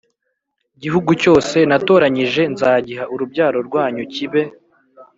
Gihugu cyose natoranyije nzagiha urubyaro rwanyu kibe